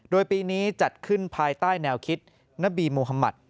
โดยปีนี้จัดขึ้นภายใต้แนวคิดณบีโมฮมัติ